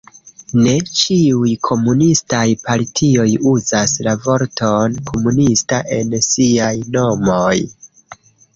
Ne ĉiuj komunistaj partioj uzas la vorton "komunista" en siaj nomoj.